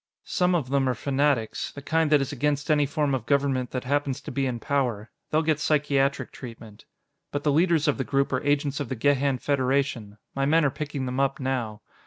Some of them are fanatics the kind that is against any form of government that happens to be in power; they'll get psychiatric treatment. But the leaders of the group are agents of the Gehan Federation. My men are picking them up now.